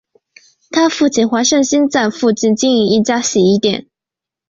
她父亲黄善兴在附近经营一家洗衣店。